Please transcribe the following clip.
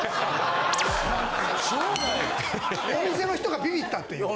お店の人がビビったっていう。